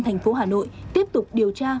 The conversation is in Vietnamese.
thành phố hà nội tiếp tục điều tra